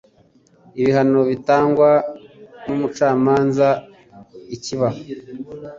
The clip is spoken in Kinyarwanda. Ibihano bitangwa n'ubucamanza, ikiba